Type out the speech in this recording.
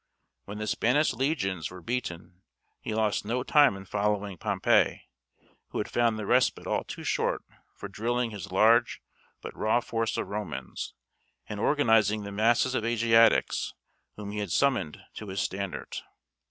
When the Spanish legions were beaten, he lost no time in following Pompey, who had found the respite all too short for drilling his large but raw force of Romans, and organizing the masses of Asiatics whom he had summoned to his standard.